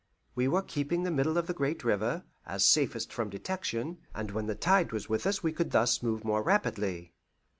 We were keeping the middle of the great river, as safest from detection, and when the tide was with us we could thus move more rapidly.